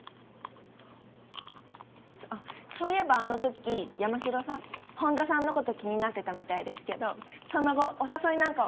あっそういえばあの時山城さん本田さんのこと気になってたみたいですけどその後お誘いなんかは？